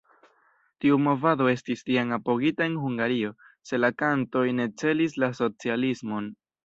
Tiu movado estis tiam apogita en Hungario, se la kantoj ne celis la socialismon.